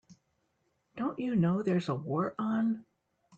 Don't you know there's a war on?